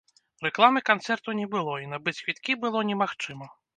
Рэкламы канцэрту не было і набыць квіткі было немагчыма.